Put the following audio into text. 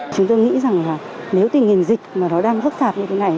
chúng tôi nghĩ rằng là nếu tình hình dịch mà nó đang phức tạp như thế này